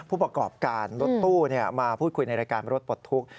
ผู้ประกอบการรถตู้มาพูดคุยในรายการรถปลดทุกข์